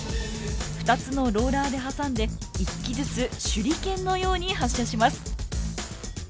２つのローラーで挟んで１機ずつ手裏剣のように発射します。